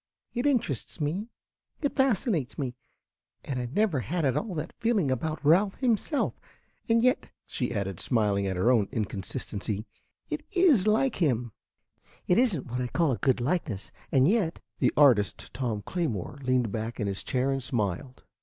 It interests me, it fascinates me; and I never had at all that feeling about Ralph himself. And yet," she added, smiling at her own inconsistency, "it is like him. It is n't what I call a good likeness, and yet " The artist, Tom Claymore, leaned back in his chair and smiled.